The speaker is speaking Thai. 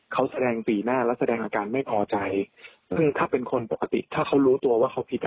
เขาแสดงปีหน้าแล้วแสดงอาการไม่พอใจซึ่งถ้าเป็นคนปกติถ้าเขารู้ตัวว่าเขาผิดอ่ะ